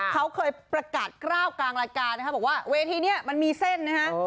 เขาเคยประกาศกล้าวกลางรายการนะคะบอกว่าเวทีนี้มันมีเส้นนะฮะ